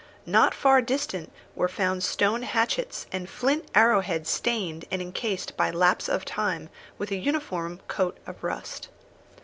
Not far distant were found stone hatchets and flint arrow heads stained and encased by lapse of time with a uniform coat of rust.